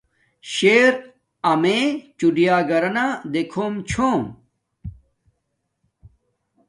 شر امیے چڑیاگھرانا دیکھم چھوم